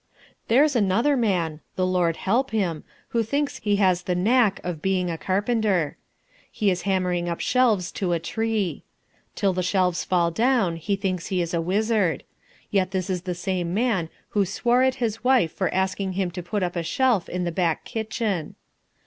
There's another man, the Lord help him who thinks he has the "knack" of being a carpenter. He is hammering up shelves to a tree. Till the shelves fall down he thinks he is a wizard. Yet this is the same man who swore at his wife for asking him to put up a shelf in the back kitchen.